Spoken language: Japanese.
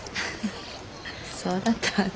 そうだったわね。